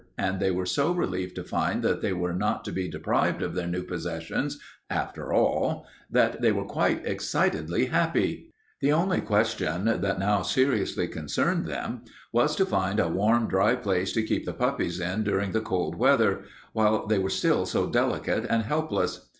And they were so relieved to find that they were not to be deprived of their new possessions after all that they were quite excitedly happy. The only question that now seriously concerned them was to find a warm, dry place to keep the puppies in during the cold weather, while they were still so delicate and helpless.